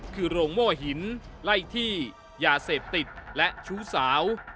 คือโรงโม่หินไล่ที่ยาเสพติดและชู้สาว